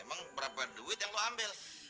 emang berapa duit yang kau ambil